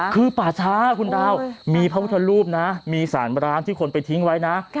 คือป่าช้าคุณดาวมีพระพุทธรูปนะมีสารร้างที่คนไปทิ้งไว้นะ